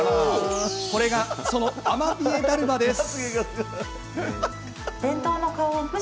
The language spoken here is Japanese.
これが、そのアマビエだるまです。